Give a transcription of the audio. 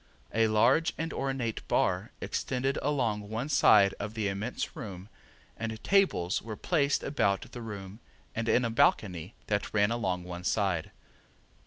A large and ornate bar extended along one side of the immense room and tables were placed about the room and in a balcony that ran along one side.